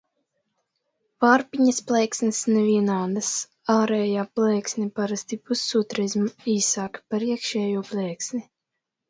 Vārpiņas plēksnes nevienādas, ārējā plēksne parasti pusotrreiz īsāka par iekšējo plēksni.